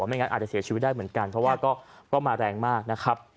ไม่งั้นอาจจะเสียชีวิตได้เหมือนกันเพราะว่าก็มาแรงมากนะครับ